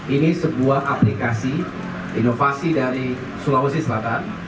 ini sebuah aplikasi inovasi dari sulawesi selatan